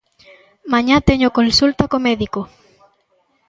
Mañá teño consulta co médico.